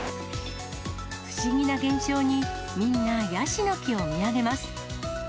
不思議な現象に、みんなヤシの木を見上げます。